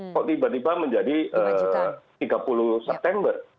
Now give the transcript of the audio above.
kok tiba tiba menjadi tiga puluh september